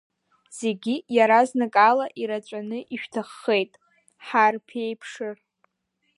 Зегьы иаразнакала ираҵәаны ишәҭаххеит, ҳаарԥеиԥшыр…